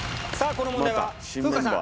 この問題は風花さん